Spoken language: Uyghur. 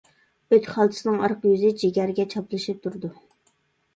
ئۆت خالتىسىنىڭ ئارقا يۈزى جىگەرگە چاپلىشىپ تۇرىدۇ.